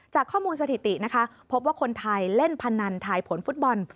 จากข้อมูลสถิตินะคะพบว่าคนไทยเล่นพนันทายผลฟุตบอล